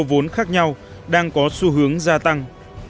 những doanh nghiệp khác nhau đang có xu hướng gia tăng